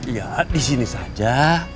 ya di sini saja